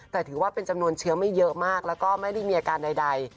แต่ถือว่าเป็นจำนวนเชื้อไม่เยอะมากแล้วก็ไม่ได้มีอาการใด